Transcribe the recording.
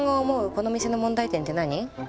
この店の問題点って何？